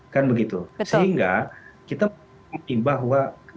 kan begitu sehingga kita memiliki bahwa